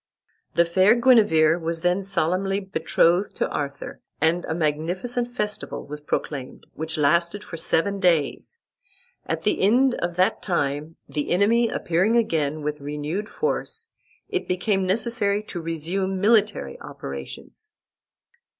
The fair Guenever was then solemnly betrothed to Arthur, and a magnificent festival was proclaimed, which lasted seven days. At the end of that time, the enemy appearing again with renewed force, it became necessary to resume military operations.